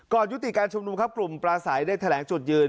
ก่อนยุติการชมนุมครับกลุ่มประสัยได้แถลงจุดยืน